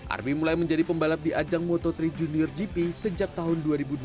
arbi mulai menjadi pembalap di ajang moto tiga junior gp sejak tahun dua ribu dua belas